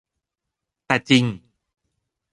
แต่จริง